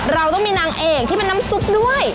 เราต้องมีนางเอกที่เป็นน้ำซุปด้วย